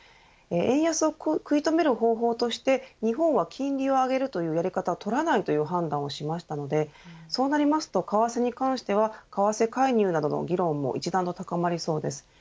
円安を食い止める方法として日本は金利を上げるというやり方を取らないという判断をしましたのでそうなりますと為替に関しては為替介入などの議論も一段と高まりそうです。